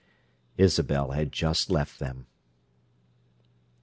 Isabel had just left them.